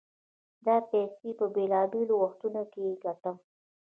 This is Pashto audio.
دا پيسې په بېلابېلو وختونو کې ګټم.